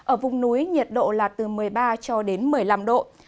ở vùng núi nhiệt độ là từ một mươi ba cho đến một mươi năm độ